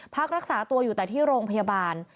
พักรักษาตัวอยู่แต่ที่โรงพยาบาล